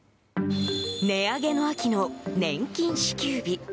値上げの秋の年金支給日。